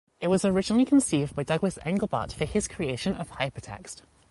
It was originally conceived by Douglas Engelbart for his creation of hypertext.